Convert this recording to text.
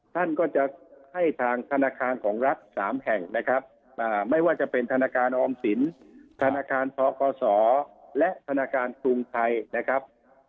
ทนาคารออมสินทนาคารท้อกสและทนาคารทรุงไทยนะครับ